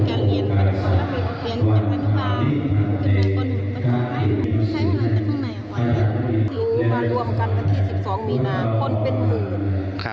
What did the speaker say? อันนี้มันเป็นหน่วงมากมาเท่ากันนะครับค่ะ